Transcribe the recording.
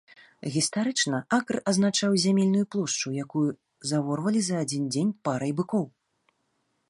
Гістарычна акр азначаў зямельную плошчу, якую заворвалі за адзін дзень парай быкоў.